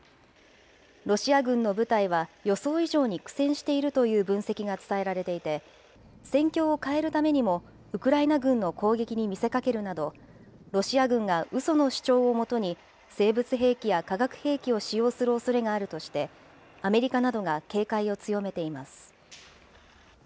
ロシア軍の部隊は予想以上に苦戦しているという分析が伝えられていて、戦況を変えるためにもウクライナ軍の攻撃に見せかけるなど、ロシア軍がうその主張をもとに生物兵器や化学兵器を使用するおそれがあるとして、アメリカなどが警戒を強めています。